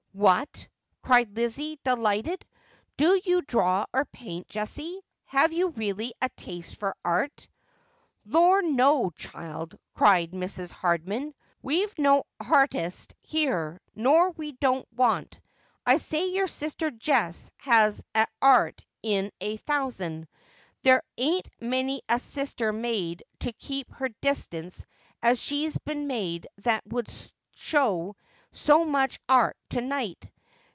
' What !' cried Lizzie, delighted, ' do you draw or paint, Jessie ? Have you really a taste for art ?'' Lor, no, child,' cried Mrs. Hardman, ' we've no hartistes here, nor we don't want. I say your sister Jess has a 'art in a thousand. There ain't many a sister made to keep her distance as she's been made that would show so much 'art to ni^ht.